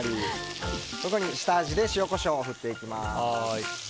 そこに下味で塩、コショウを振っていきます。